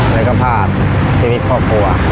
แล้วก็พาดชีวิตครอบครัว